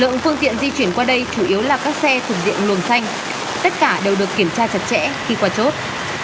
lượng phương tiện di chuyển qua đây chủ yếu là các xe thùng điện luồng xanh tất cả đều được kiểm tra chặt chẽ khi qua chốt